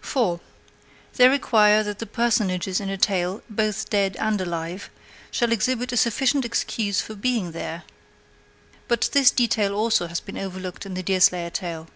4. They require that the personages in a tale, both dead and alive, shall exhibit a sufficient excuse for being there. But this detail also has been overlooked in the Deerslayer tale.